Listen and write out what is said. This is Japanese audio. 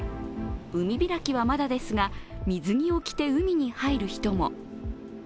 海開きはまだですが、水着を着て海に入る人も。